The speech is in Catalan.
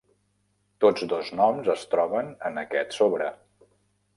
Tots dos noms es troben en aquest sobre.